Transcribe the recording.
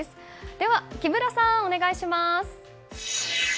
では木村さん、お願いします。